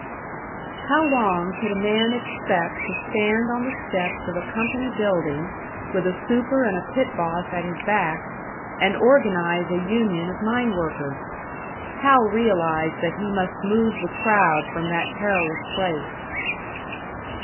How long could a man expect to stand on the steps of a company building, with a super and a pit boss at his back, and organise a union of mine workers? Hal realised that he must move the crowd from that perilous place.